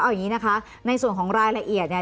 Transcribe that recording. เอาอย่างนี้นะคะในส่วนของรายละเอียดเนี่ย